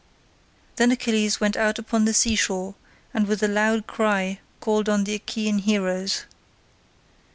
Then Achilles went out upon the sea shore, and with a loud cry called on the Achaean heroes.